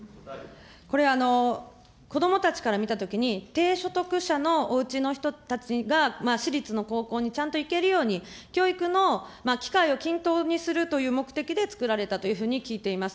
これは子どもたちから見たときに、低所得者のおうちの人たちが、私立の高校にちゃんと行けるように、教育の機会を均等にするという目的で作られたというふうに聞いています。